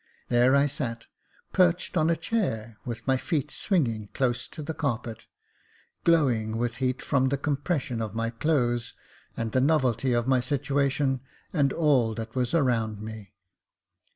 There I sat, perched on a chair, with my feet swinging close to the carpet, glowing with heat from the compression of my clothes, and the novelty of my situation, and all that was around me.